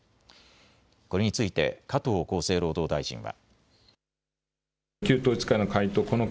これについて加藤厚生労働大臣は。